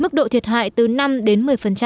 mức độ thiệt hại từ năm đến một mươi